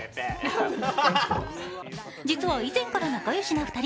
実は以前から仲よしな２人。